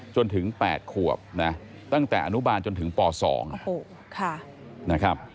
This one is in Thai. จนถึง๘ขวบนะตั้งแต่อนุบาลจนถึงป๒นะครับ